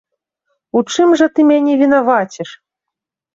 У чым жа ты мяне вінаваціш?